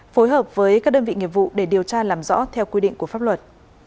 phối hợp với các đơn vị nghiệp vụ để điều tra làm rõ theo quy định của pháp luật